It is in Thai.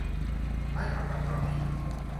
ไม้ประกับคัมภีร์